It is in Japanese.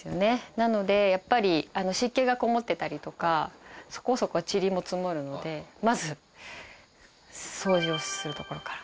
なのでやっぱり湿気がこもってたりとかそこそこちりも積もるのでまず掃除をするところから。